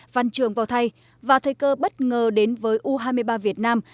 văn trường vào thay và thời cơ bất ngờ đến với u hai mươi ba việt nam